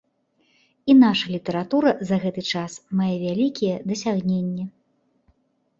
І наша літаратура за гэты час мае вялікія дасягненні.